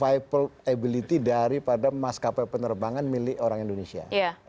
jadi kita harus memiliki kemampuan yang lebih baik daripada maskapai penerbangan milik orang indonesia